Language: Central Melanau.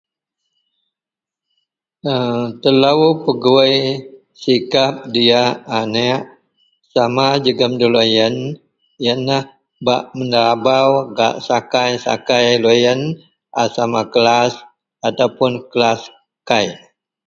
Telo pegui sikap diak aniek sama jegam lo yian yianlah bak menelabau gak sakai-sakai lo yian a sama kelas atau kelas kei.